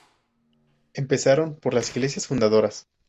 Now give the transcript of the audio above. Empezaron por las iglesias fundadoras.